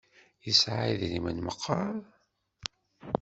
Yesɛa idrimen meqqar?